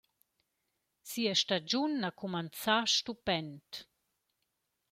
Sia stagiun ha cumanzà stupend.